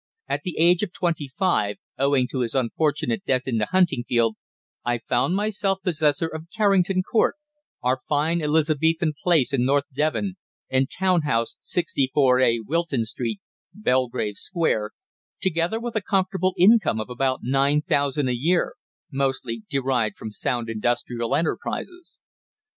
At the age of twenty five, owing to his unfortunate death in the hunting field, I found myself possessor of Carrington Court, our fine Elizabethan place in North Devon, and town house, 64a Wilton Street, Belgrave Square, together with a comfortable income of about nine thousand a year, mostly derived from sound industrial enterprises.